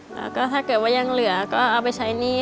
แล้วก็ถ้าเกิดว่ายังเหลือก็เอาไปใช้หนี้